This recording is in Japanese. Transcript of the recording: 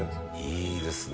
「いいですね」